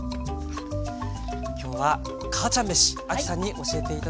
今日は「母ちゃんめし」亜希さんに教えて頂きました。